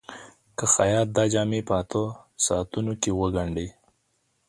که خیاط دا جامې په اتو ساعتونو کې وګنډي.